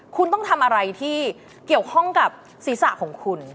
คุณต้องทำอะไรที่เกี่ยวข้องกับศีรษะของคุณ